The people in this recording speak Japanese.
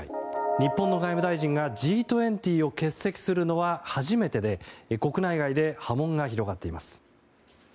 日本の外務大臣がＧ２０を欠席するのは初めてで国内外で波紋が広がっています。